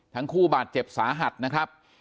ทั้งคู่บาดเจ็บสาหัสนะครับ